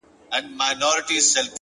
پوهه د راتلونکو پریکړو رڼا ده!